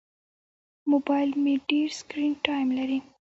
موبایل مې ډېر سکرین ټایم لري.